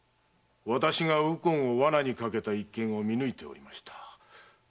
私が右近を罠にかけた一件を見抜いておりました。